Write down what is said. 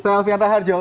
saya fianna harjo